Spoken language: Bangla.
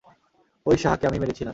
ওই সাহাকে আমিই মেরেছিলাম।